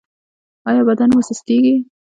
ایا بدن مو سستیږي؟